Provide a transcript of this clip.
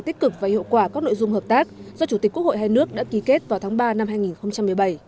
tích cực và hiệu quả các nội dung hợp tác do chủ tịch quốc hội hai nước đã ký kết vào tháng ba năm hai nghìn một mươi bảy